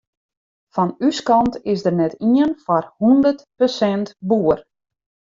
Fan ús kant is der net ien foar hûndert persint boer.